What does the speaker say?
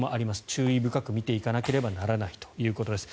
注意深く見ていかなければならないということです。